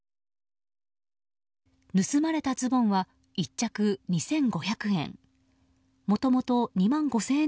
盗まれたズボンは１着２５００円。